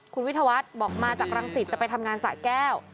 คุณวิทยาวัฒน์บอกมาจากรังสิตจะไปทำงานสะแก้ว